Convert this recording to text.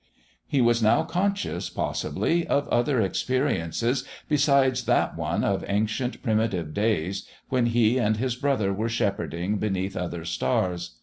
... He was now conscious, possibly, of other experiences besides that one of ancient, primitive days when he and his brother were shepherding beneath other stars.